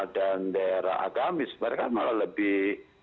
dan daerah agamis mereka malah lebih